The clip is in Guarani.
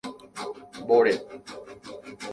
Mbóre.